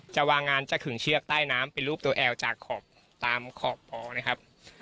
จะวางงานจะขึงเชือกใต้น้ำเป็นรูปตัวแอลจากขอบตามขอบพอนะครับ